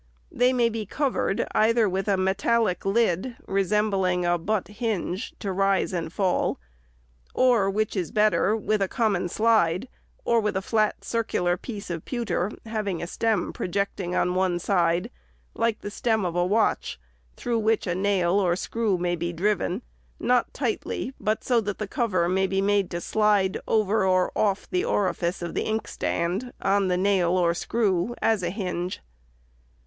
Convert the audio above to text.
They may be covered, either with a metallic lid, resembling a butt hinge, to rise and fall ; or, which is better, with a common slide, or with a flat circular piece of pewter, having a stem projecting on one side, like the stem of a watch, through which a nail or screw may be driven, not tightly, but so that the cover may be made to slide over or off the orifice of the inkstand, on the nail or screw, as a hinge.